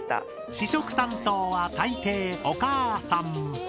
試食担当は大抵お母さん。